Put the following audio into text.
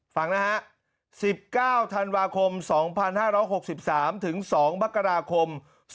ฟังนะฮะ๑๙ธันวาคม๒๕๖๓ถึง๒มกราคม๒๕๖